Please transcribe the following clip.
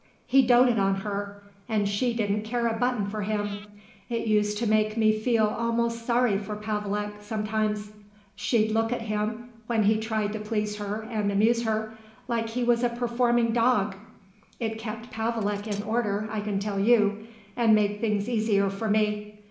He doted on her, and she didn't care a button for him. It used to make me feel almost sorry for Pavelek, sometimes. She'd look at him, when he tried to please her and amuse her, like he was a performing dog. It kept Pavelek in order, I can tell you, and made things easier for me.